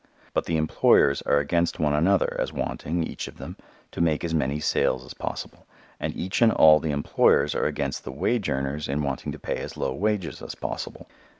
But the employers are against one another as wanting, each of them, to make as many sales as possible, and each and all the employers are against the wage earners in wanting to pay as low wages as possible.